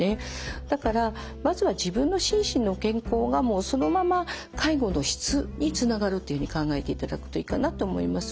だからまずは自分の心身の健康がそのまま介護の質につながるっていうふうに考えていただくといいかなと思います。